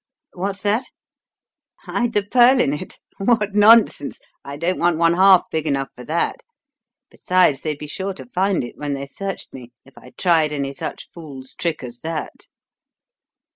What's that? Hide the pearl in it? What nonsense! I don't want one half big enough for that. Besides, they'd be sure to find it when they searched me if I tried any such fool's trick as that.